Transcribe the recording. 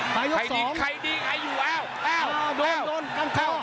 ประยกสองใครดีใครอยู่โอ้วโอ้วโดนโดนกลางข้อ